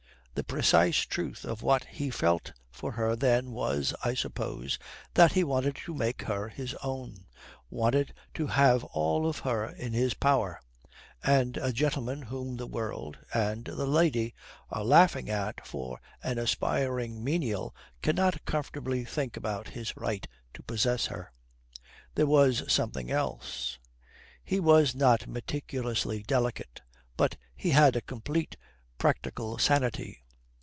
The precise truth of what he felt for her then was, I suppose, that he wanted to make her his own wanted to have all of her in his power; and a gentleman whom the world and the lady are laughing at for an aspiring menial cannot comfortably think about his right to possess her. There was something else. He was not meticulously delicate, but he had a complete practical sanity.